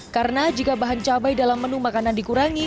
karena jika bahan cabai dalam menu makanan dikurangi